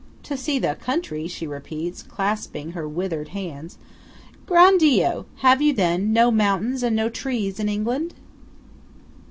"To see the country!" she repeats, clasping her withered hands. "Gran' Dio! Have you, then, no mountains and no trees in England?"